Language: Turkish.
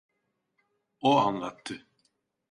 O anlattı…